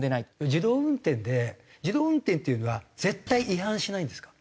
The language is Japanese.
自動運転で自動運転っていうのは絶対違反しないんですか？